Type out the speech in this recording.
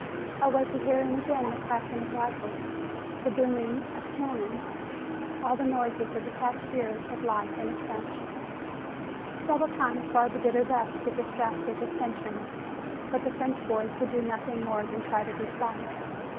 Or was he hearing again the cracking of rifles, the booming of cannon, all the noises of the past year of life in a trench? Several times Barbara did her best to distract his attention, but the French boy could do nothing more than try to be polite.